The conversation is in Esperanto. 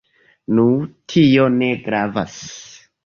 Nu, tio ne gravas.